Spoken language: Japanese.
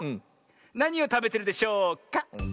なにをたべてるでしょうか？